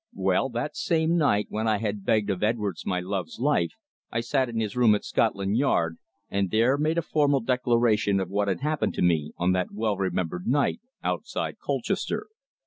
Well, that same night when I had begged of Edwards my love's life, I sat in his room at Scotland Yard and there made a formal declaration of what had happened to me on that well remembered night outside Colchester.